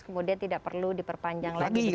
kemudian tidak perlu diperpanjang lagi